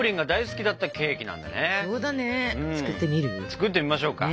作ってみましょうか。